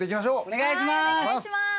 お願いします！